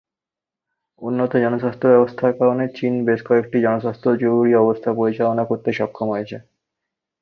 উন্নত জনস্বাস্থ্য ব্যবস্থার কারণে চীন বেশ কয়েকটি জনস্বাস্থ্য জরুরী অবস্থা পরিচালনা করতে সক্ষম হয়েছে।